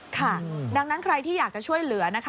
ค่ะดังนั้นใครที่อยากช่วยเหลือ